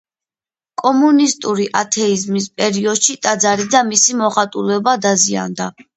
კომუნისტური ათეიზმის პერიოდში ტაძარი და მისი მოხატულობა დაზიანდა.